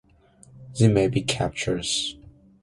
There may be captures.